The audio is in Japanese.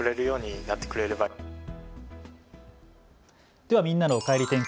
では、みんなのおかえり天気。